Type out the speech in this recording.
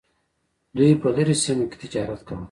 دوی په لرې سیمو کې تجارت کاوه